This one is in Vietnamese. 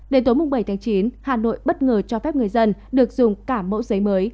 đến tối bảy tháng chín hà nội bất ngờ cho phép người dân được dùng cả mẫu giấy mới